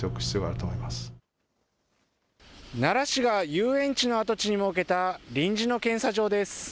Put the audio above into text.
遊園地の跡地に設けた臨時の検査場です。